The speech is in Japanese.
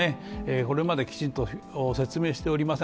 これまできちんと説明しておりません。